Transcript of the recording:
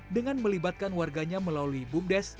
dengan melibatkan warganya melalui bumdes